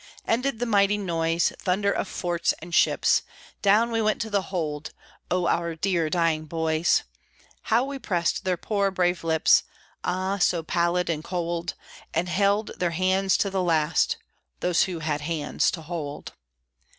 Ended the mighty noise, Thunder of forts and ships. Down we went to the hold, Oh, our dear dying boys! How we pressed their poor brave lips (Ah, so pallid and cold!) And held their hands to the last (Those who had hands to hold).